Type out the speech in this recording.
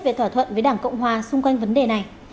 về thỏa thuận với đảng cộng hòa xung quanh vấn đề này